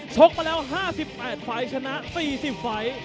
กมาแล้ว๕๘ไฟล์ชนะ๔๐ไฟล์